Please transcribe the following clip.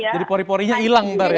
jadi pori porinya hilang mbak ya